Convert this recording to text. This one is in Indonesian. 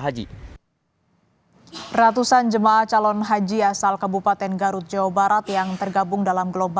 haji ratusan jemaah calon haji asal kabupaten garut jawa barat yang tergabung dalam gelombang